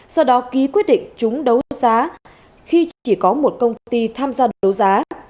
sau đó ký quyết định chúng đấu giá khi chỉ có một công ty tham gia đấu giá